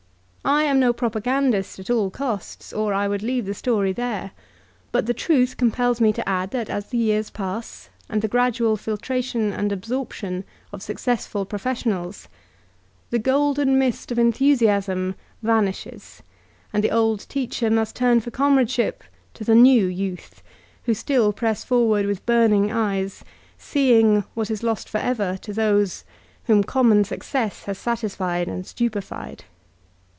I am no propagandist at all costs, or I would leave the story here; but the truth compels me to add that as the years pass and the gradual filtration and absorption of American commercial life goes on, my students become tooceMful professionals, the golden mist of enthusiasm Xto VOLTAISINE DE QjEYKE iranishesy and the old teacher must turn for comradeship to the new youth, who still press forward with burning eyes, seeing what is lost forever to those whom common success has satisfied and stupified.